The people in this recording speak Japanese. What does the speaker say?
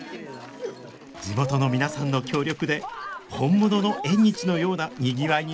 地元の皆さんの協力で本物の縁日のようなにぎわいになりました